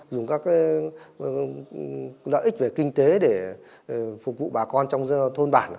dùng các lợi ích về kinh tế để phục vụ bà con trong thôn bản